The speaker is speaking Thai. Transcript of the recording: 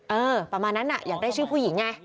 เออประมาณนั้นอยากได้ชื่อผู้หญิงไง